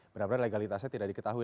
benar benar legalitasnya tidak diketahui